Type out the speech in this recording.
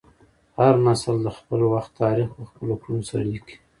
هر نسل د خپل وخت تاریخ په خپلو کړنو سره لیکي.